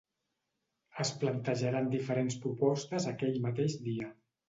Es plantejaran diferents propostes aquell mateix dia.